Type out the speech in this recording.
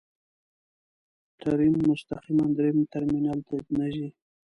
ټرین مستقیماً درېیم ټرمینل ته نه ځي.